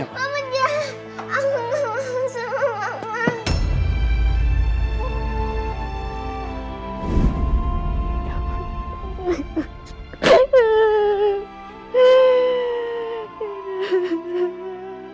aku gak mau sama mama